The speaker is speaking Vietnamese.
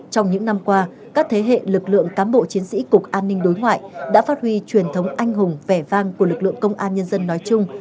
trong những năm qua các thế hệ lực lượng cám bộ chiến sĩ cục an ninh đối ngoại đã phát huy truyền thống anh hùng vẻ vang của lực lượng công an nhân dân nói chung